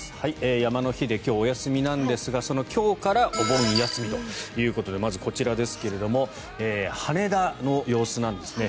山の日で今日、お休みなんですが今日からお盆休みということでまずこちらですが羽田の様子なんですね。